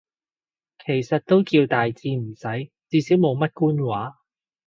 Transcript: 其實都叫大致啱使，至少冇乜官話